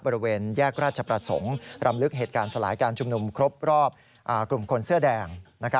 บริเวณแยกราชประสงค์รำลึกเหตุการณ์สลายการชุมนุมครบรอบกลุ่มคนเสื้อแดง